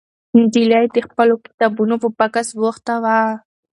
نجلۍ د خپلو کتابونو په بکس بوخته وه.